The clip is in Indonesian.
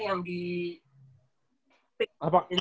yang bapanya ketua rt yang di